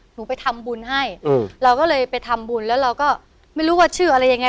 หนูไปทำบุญให้เราก็เลยไปทำบุญแล้วเราก็ไม่รู้ว่าชื่ออะไรยังไง